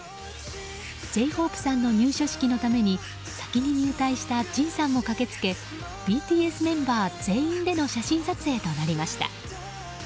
Ｊ‐ＨＯＰＥさんの入所式のために先に入隊したＪＩＮさんも駆けつけＢＴＳメンバー全員での写真撮影となりました。